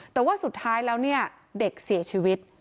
ต่อว่าสุดท้ายเด็กเสียชีวิต